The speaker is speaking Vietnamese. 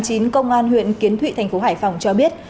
công an huyện kiến thụy thành phố hải phòng cho biết